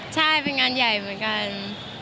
ใช่เป็นงานใหญ่เหมือนกัน